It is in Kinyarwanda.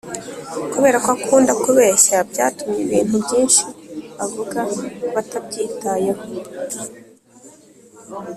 kubera ko akunda kubeshya byatumye ibintu byinshi avuga batabyitayeho